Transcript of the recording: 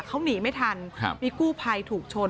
เขาหนีไม่ทันมีกู้ภัยถูกชน